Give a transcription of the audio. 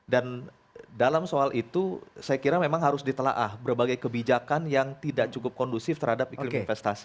dan dalam soal itu saya kira memang harus ditelaah berbagai kebijakan yang tidak cukup kondusif terhadap iklim investasi